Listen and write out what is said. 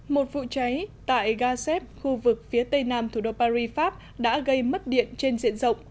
một vụ cháy tại gazeb khu vực phía tây nam thủ đô paris pháp đã gây mất điện trên diện rộng